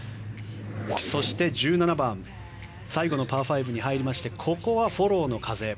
そして１７番最後のパー５に入りましてここはフォローの風。